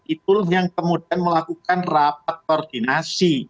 itulah yang kemudian melakukan rapat koordinasi